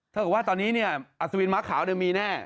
ถ้าเกิดว่าตอนนี้เนี่ยอัศวินม้าขาวมีแน่